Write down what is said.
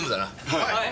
はい。